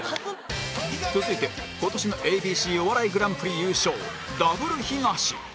続いて今年の ＡＢＣ お笑いグランプリ優勝ダブルヒガシ